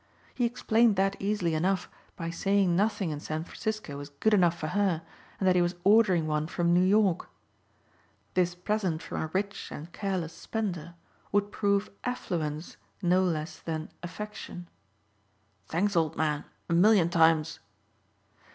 He explained that easily enough by saying nothing in San Francisco was good enough for her and that he was ordering one from New York. This present from a rich and careless spender would prove affluence no less than affection. "Thanks, old man, a million times."